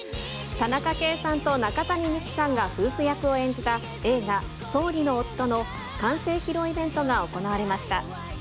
田中圭さんと中谷美紀さんが夫婦役を演じた映画、総理の夫の完成披露イベントが行われました。